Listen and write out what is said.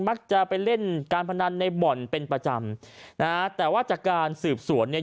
มักจะไปเล่นการพนันในบ่อนเป็นประจำนะฮะแต่ว่าจากการสืบสวนเนี่ย